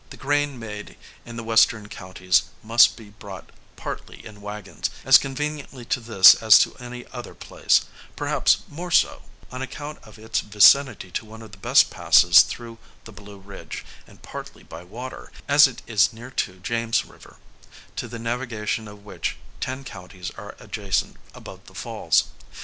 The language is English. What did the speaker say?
The grain made in the Western counties may be brought partly in wagons, as conveniently to this as to any other place; perhaps more so, on account of its vicinity to one of the best passes through the Blue Ridge; and partly by water, as it is near to James river, to the navigation of which, ten counties are adjacent above the falls.